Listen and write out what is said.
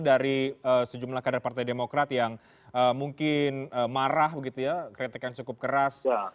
dari sejumlah kader partai demokrat yang mungkin marah kritik yang cukup keras